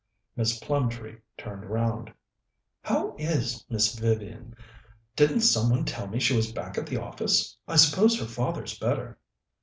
Miss Plumtree turned round. "How is Miss Vivian? Didn't some one tell me she was back at the office? I suppose her father's better."